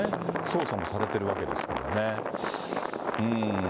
捜査もされてるわけですからね。